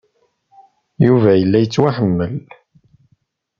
Yuba yella yettwaḥemmel.